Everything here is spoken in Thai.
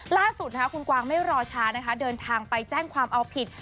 ล่าสุดคุณกวางไม่รอช้านะคะเดินทางไปแจ้งความเอาผิด